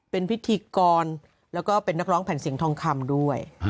เป็นพิธีกรแล้วก็เป็นนักร้องแผ่นเสียงทองคำด้วย